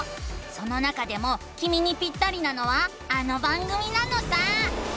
その中でもきみにピッタリなのはあの番組なのさ！